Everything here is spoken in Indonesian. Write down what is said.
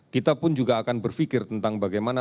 kita pun juga akan berpikir tentang bagaimana